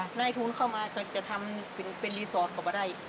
ถ้าให้ทุนเข้ามาจะทำเป็นรีสอร์ทก็มาได้